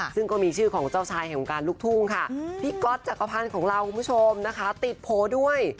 ซึ่งก็มีชื่อของเจ้าชายแห่งวงการลูกทุ่งค่ะพี่ก๊อตจักรพันธ์ของเราคุณผู้ชมนะคะติดโพลด้วย